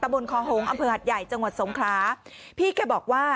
บนคอหงษ์อำเภอหัดใหญ่จังหวัดสงคราพี่แกบอกว่า